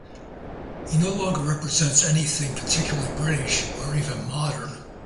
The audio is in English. He no longer represents anything particularly British, or even modern.